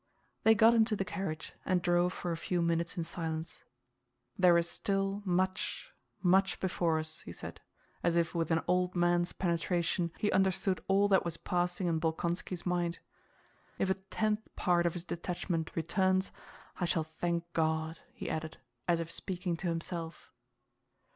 They got into the carriage and drove for a few minutes in silence. "There is still much, much before us," he said, as if with an old man's penetration he understood all that was passing in Bolkónski's mind. "If a tenth part of his detachment returns I shall thank God," he added as if speaking to himself.